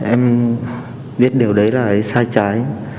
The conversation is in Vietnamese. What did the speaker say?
em biết điều đấy là sai trái